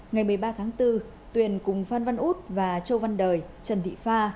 ngày một mươi ba tháng bốn tuyền cùng phan văn út và châu văn đời trần thị pha